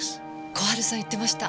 小春さん言ってました。